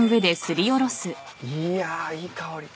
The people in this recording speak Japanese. いやいい香り。